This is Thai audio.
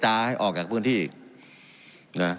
การปรับปรุงทางพื้นฐานสนามบิน